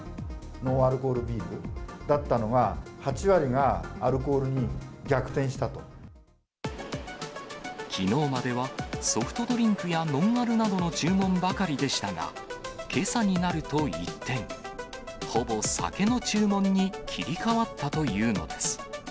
ノンアルコールビールだったのがきのうまではソフトドリンクやノンアルなどの注文ばかりでしたが、けさになると一転、ほぼ酒の注文に切り替わったというのです。